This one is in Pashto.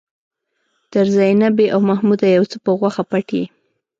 تر زينبې او محموده يو څه په غوښه پټ يې.